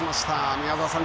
宮澤さん